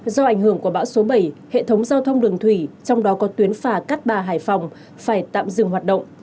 do ảnh hưởng của bão số bảy hệ thống giao thông đường thủy trong đó có tuyến phà cát bà hải phòng phải tạm dừng hoạt động